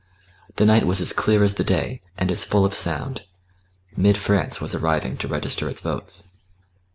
The night was as clear as the day, and as full of sound. Mid France was arriving to register its votes.